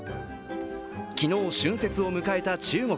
昨日、春節を迎えた中国。